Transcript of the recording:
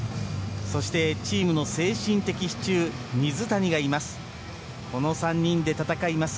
そしてチームの精神的支柱水谷がいます。